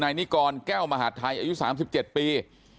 นิกรแก้วมหาดไทยอายุ๓๗ปี